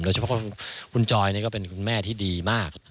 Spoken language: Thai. เฉพาะคุณจอยนี่ก็เป็นคุณแม่ที่ดีมาก